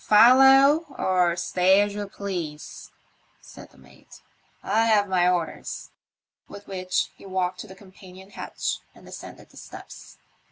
"Follow or stay as you please," said the mate; "I have my orders." With which he walked to the com panion hatch and descended the steps.